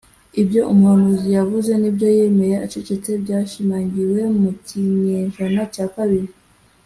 ibyo umuhanuzi yavuze n’ibyo yemeye acecetse byashimangiwe mu kinyejana cya kabiri